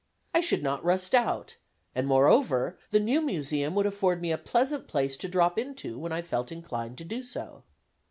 I should not rust out; and, moreover, the new museum would afford me a pleasant place to drop into when I felt inclined to do so.